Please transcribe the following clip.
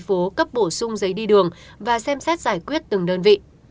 phố cấp bổ sung giấy đi đường và xem xét giải quyết từng đơn vị